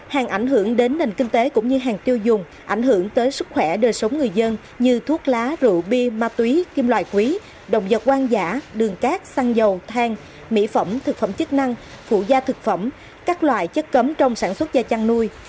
hàng ảnh hưởng đến nền kinh tế cũng như hàng tiêu dùng ảnh hưởng tới sức khỏe đời sống người dân như thuốc lá rượu bia ma túy kim loại quý động vật hoang dã đường cát xăng dầu than mỹ phẩm thực phẩm chức năng phụ gia thực phẩm các loại chất cấm trong sản xuất da chăn nuôi